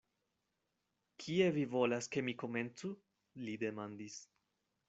"Kie vi volas ke mi komencu?" li demandis.